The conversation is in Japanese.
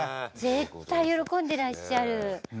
絶対喜んでらっしゃる。